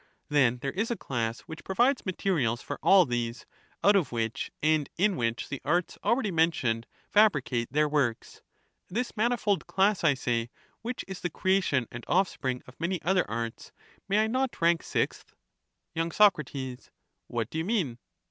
Then there is a class which provides materials for all these, out of which and in which the arts already mentioned fabricate their works ;— this manifold class, I say, which is the creation and offspring of many other arts, may I not rank sixth? y. Sac. What do you mean